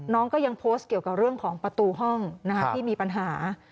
น้องก็ยังโพสต์เกี่ยวกับเรื่องของประตูห้องที่มีปัญหา